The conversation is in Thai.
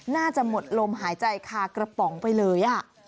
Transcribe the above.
น่าจะหมดลมหายใจคากระป๋องไปเลย